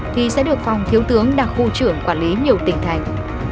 thì sẽ được phòng thiếu tướng đặc khu trưởng quản lý nhiều tỉnh thành